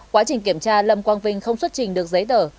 quá trình kiểm tra lâm quang vinh không xuất trình được giấy tờ